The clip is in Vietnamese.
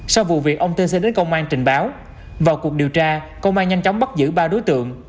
sau vụ việc ông t c đến công an trình báo vào cuộc điều tra công an nhanh chóng bắt giữ ba đối tượng